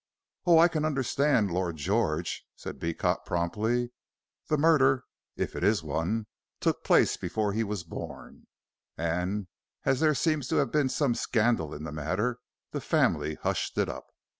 "Oh, I can understand Lord George," said Beecot, promptly. "The murder, if it is one, took place before he was born, and as there seems to have been some scandal in the matter, the family hushed it up.